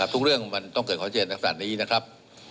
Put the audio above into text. ทุกเรื่องต้องเกิดข้อนเชียดตรัสนี้นะครับ